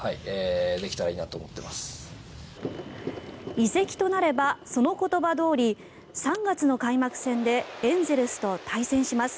移籍となればその言葉どおり３月の開幕戦でエンゼルスと対戦します。